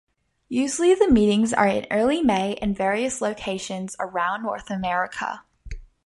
Usually the meetings are in early May in various locations around North America.